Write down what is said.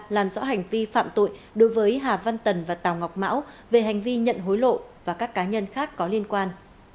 làm rõ hành vi phạm tội đối với hà văn tần và tàu ngọc mão về hành vi nhận hối lộ và các cá nhân khác có liên quan